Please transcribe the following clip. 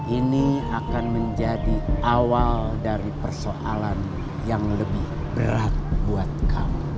ini akan menjadi awal dari persoalan yang lebih berat buat kami